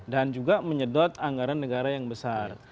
dan juga menyedot anggaran negara yang besar